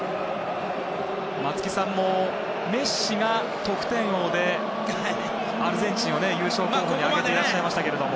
松木さんも、メッシが得点王でアルゼンチンを優勝候補に挙げていらっしゃいましたけど。